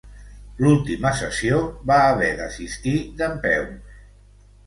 L'última sessió va haver d'assistir dempeus.